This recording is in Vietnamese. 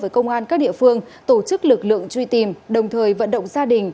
với công an các địa phương tổ chức lực lượng truy tìm đồng thời vận động gia đình